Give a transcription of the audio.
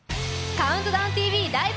「ＣＤＴＶライブ！